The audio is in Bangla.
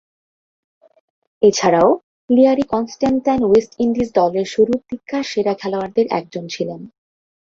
এছাড়াও, লিয়ারি কনস্ট্যান্টাইন ওয়েস্ট ইন্ডিজ দলের শুরুর দিককার সেরা খেলোয়াড়দের একজন ছিলেন।